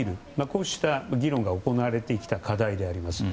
こうした議論が行われてきた課題であります。